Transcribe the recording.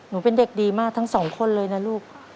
หนูเป็นเด็กดีมากทั้งสองคนเลยนะลูก